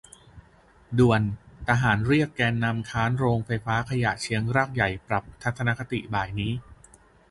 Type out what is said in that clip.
ด่วน ! ทหารเรียกแกนนำค้านโรงไฟฟ้าขยะเชียงรากใหญ่ปรับทัศนคติบ่ายนี้